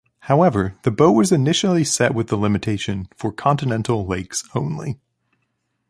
However the boat was initially set with the limitation "for continental lakes only".